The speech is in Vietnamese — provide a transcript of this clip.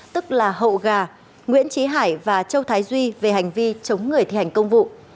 tức là hậu gà nguyễn trí hải và châu thái duy về hành vi chống người thi hành công vụ